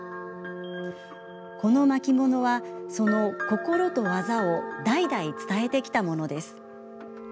この巻物は、その心と技を代々伝えてきたものです。